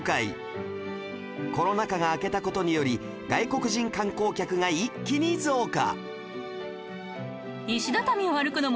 コロナ禍が明けた事により外国人観光客が一気に増加